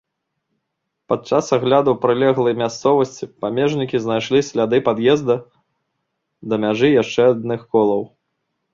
Падчас агляду прылеглай мясцовасці памежнікі знайшлі сляды пад'езда да мяжы яшчэ адных колаў.